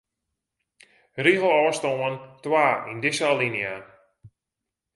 Rigelôfstân twa yn dizze alinea.